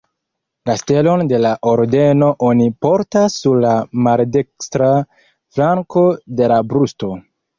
La stelon de la Ordeno oni portas sur la maldekstra flanko de la brusto.